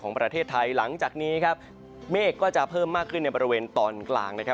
ประเทศไทยหลังจากนี้ครับเมฆก็จะเพิ่มมากขึ้นในบริเวณตอนกลางนะครับ